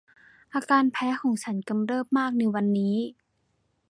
อาการแพ้ของฉันกำเริบมากในวันนี้